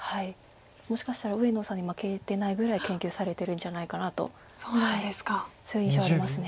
もしかしたら上野さんに負けてないぐらい研究されてるんじゃないかなとそういう印象あります。